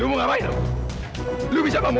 udah mel udah udah mel